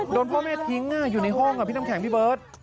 โดนพ่อแม่ทิ้งอยู่ในห้องพี่น้ำแข็งพี่เบิร์ต